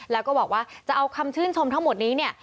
แล้วก็บอกว่าจะเอาคำชื่นชมทั้งหมดนี้เนี่ย